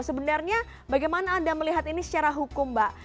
sebenarnya bagaimana anda melihat ini secara hukum mbak